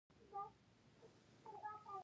دنبوی جومات په دویم پوړ کې ودان دی.